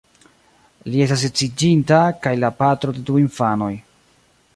Li estas edziĝinta, kaj la patro de du infanoj.